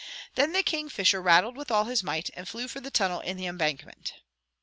Then the Kingfisher rattled with all his might, and flew for the tunnel in the embankment.